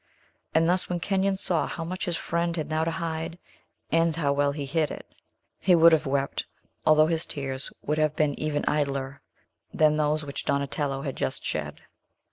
And thus, when Kenyon saw how much his friend had now to hide, and how well he hid it, he would have wept, although his tears would have been even idler than those which Donatello had just shed.